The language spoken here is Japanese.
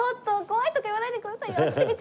怖いとか言わないでくださいよ。